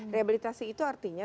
rehabilitasi itu artinya